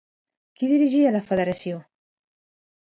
Qui dirigia la Federació?